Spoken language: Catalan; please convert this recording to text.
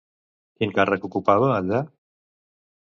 Quin càrrec ocupava allà?